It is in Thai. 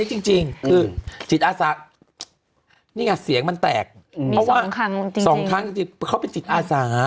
จริงคือจิตอาสานี่ไงเสียงมันแตกเพราะว่าสองครั้งจริงเขาเป็นจิตอาสา